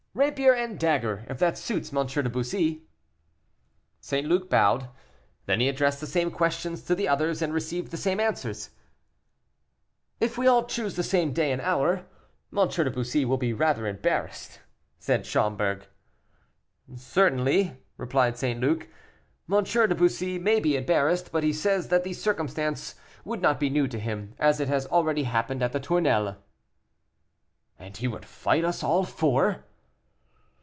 "Rapier and dagger, if that suits M. de Bussy." St. Luc bowed. Then he addressed the same questions to the others, and received the same answers. "If we all choose the same day and hour, M. de Bussy will be rather embarrassed," said Schomberg. "Certainly," replied St. Luc, "M. de Bussy may be embarrassed, but he says that the circumstance would not be new to him, as it has already happened at the Tournelles." "And he would fight us all four?"